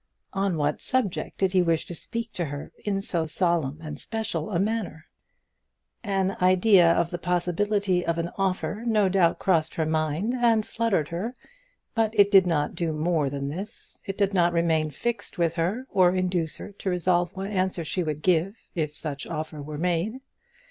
On what subject did he wish to speak to her in so solemn and special a manner? An idea of the possibility of an offer no doubt crossed her mind and fluttered her, but it did not do more than this; it did not remain fixed with her, or induce her to resolve what answer she would give if such offer were made.